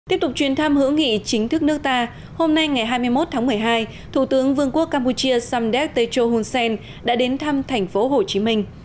tiếp tục chuyển thăm hữu nghị chính thức nước ta hôm nay ngày hai mươi một tháng một mươi hai thủ tướng vương quốc campuchia samdet techo hunsen đã đến thăm thành phố hồ chí minh